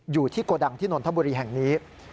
อยู่ที่โกดังที่นนทบุรีแห่งนี้